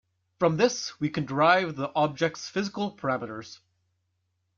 From this we can derive the object's physical parameters.